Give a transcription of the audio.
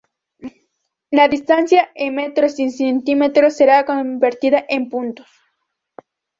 La distancia en metros y centímetros será convertida en puntos.